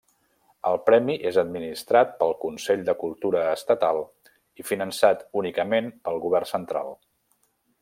El premi és administrat pel Consell de Cultura Estatal i finançat únicament pel govern central.